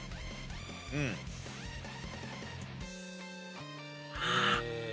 うん。ああ！